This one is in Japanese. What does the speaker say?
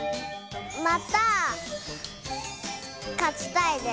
またかちたいです。